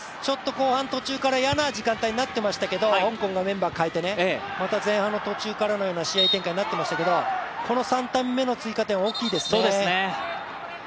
後半途中から嫌な時間帯になってましたけど香港がメンバー代えて、また前半の途中のような試合展開になっていましたけどこの３点目の追加点は大きいですね。